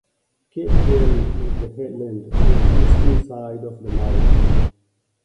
Cape Peary is the headland on the eastern side of the mouth.